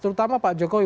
terutama pak jokowi